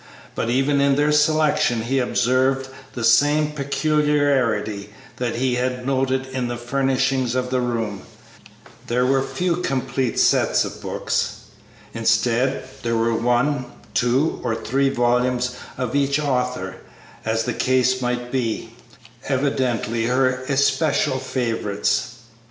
But even in their selection he observed the same peculiarity that he had noted in the furnishing of the room; there were few complete sets of books; instead, there were one, two, or three volumes of each author, as the case might be, evidently her especial favorites.